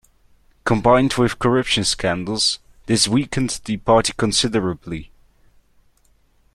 Combined with corruption scandals, this weakened the party considerably.